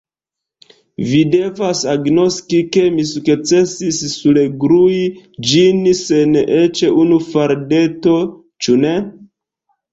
Vi devas agnoski, ke mi sukcesis surglui ĝin sen eĉ unu faldeto, ĉu ne?